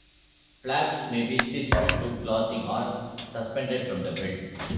Flaps may be stitched to clothing, or suspended from the belt.